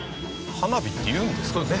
花火っていうんですかね？